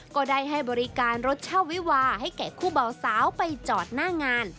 ก็ได้ให้บริการรถเช่าวิวาให้แก่คู่เบาสาวไปจอดหน้างาน